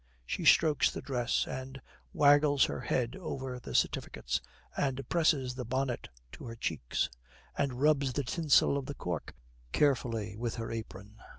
She strokes the dress, and waggles her head over the certificates and presses the bonnet to her cheeks, and rubs the tinsel of the cork carefully with her apron.